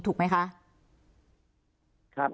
ถูกไหมคะครับ